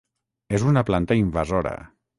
És una planta invasora.